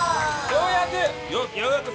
ようやく！